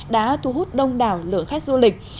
đã thu hút đông đảo lượng khách du lịch